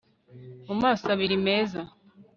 mu maso abiri meza